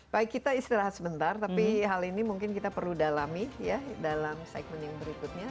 baik kita istirahat sebentar tapi hal ini mungkin kita perlu dalami ya dalam segmen yang berikutnya